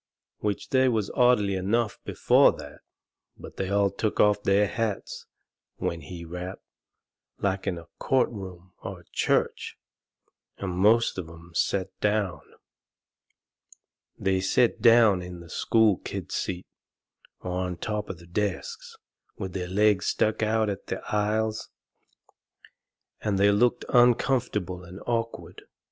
Which they was orderly enough before that, but they all took off their hats when he rapped, like in a court room or a church, and most of 'em set down. They set down in the school kids' seats, or on top of the desks, and their legs stuck out into the aisles, and they looked uncomfortable and awkward.